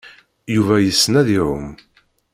Yuba yessen ad iɛum.